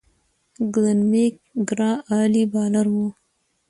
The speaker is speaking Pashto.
ګلن میک ګرا عالي بالر وو.